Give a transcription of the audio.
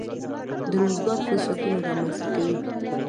د روزګار فرصتونه رامنځته کوي.